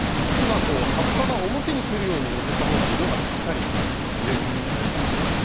葉っぱが表にくるように載せた方が、色がしっかり出ます。